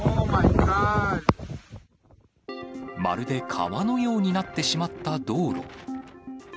まるで川のようになってしまった道路。